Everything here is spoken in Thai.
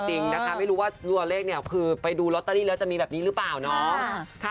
จริงนะคะไม่รู้ว่าตัวเลขเนี่ยคือไปดูลอตเตอรี่แล้วจะมีแบบนี้หรือเปล่าเนาะ